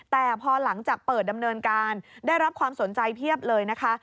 แต่พอหลังจากเปิดดำเนินการได้รับความสนใจเพียบเลยนะคะ